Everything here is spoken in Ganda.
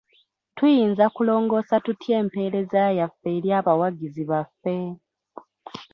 Tuyinza kulongoosa tutya empeereza yaffe eri abawagizi baffe?